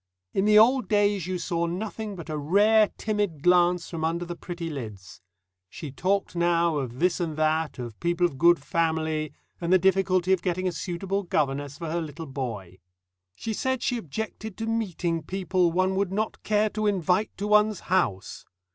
In the old days you saw nothing but a rare timid glance from under the pretty lids. She talked now of this and that, of people of "good family," and the difficulty of getting a suitable governess for her little boy. She said she objected to meeting people "one would not care to invite to one's house."